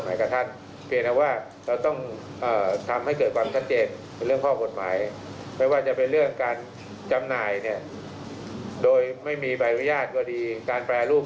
มันเป็นเรื่องที่โดยสัมมาญทรัพย์สำนึกมันทำให้ได้อยู่แล้วนะครับ